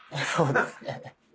そうですね。